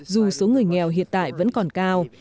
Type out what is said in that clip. dù số người nghèo hiện tại vẫn còn cao